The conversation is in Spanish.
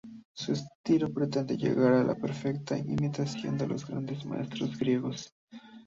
Su estilo pretende llegar a la perfecta imitación de los grandes maestros griegos.